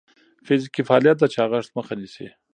فزیکي فعالیت د چاغښت مخه نیسي.